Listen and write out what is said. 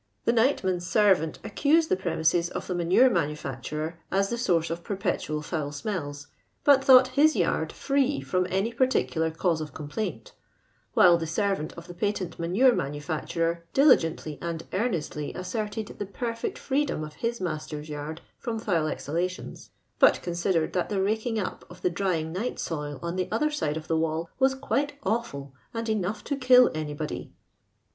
The nightman's servant accused the premises of the manure manu facturer as the source of perpetual foul smells, but thought his yard free from any particular cause of complaint; while the servant of the patent manure manufacturer diligently and earnestly asserted the perfect freedom of his master's yard from foul exhalations ; but considered that the raking up of the drying night soil on the other side of the wall was * quite awful, and enough to kill anybody.'